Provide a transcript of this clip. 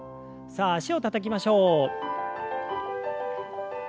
さあ脚をたたきましょう。